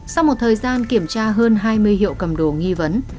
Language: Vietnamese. sau một thời gian kiểm tra hơn hai mươi hiệu cầm đồ nghi vấn